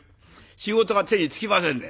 仕事が手につきませんで。